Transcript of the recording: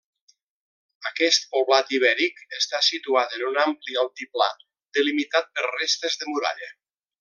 Aquest poblat ibèric està situat en un ampli altiplà, delimitat per restes de muralla.